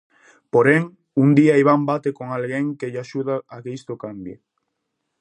Porén, un día Iván bate con alguén que lle axuda a que isto cambie.